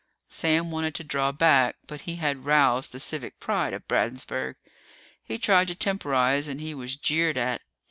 Sam wanted to draw back, but he had roused the civic pride of Bradensburg. He tried to temporize and he was jeered at.